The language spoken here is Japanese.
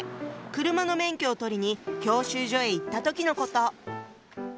車の免許を取りに教習所へ行った時のこと。